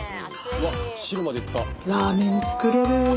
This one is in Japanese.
うわっ汁までいった！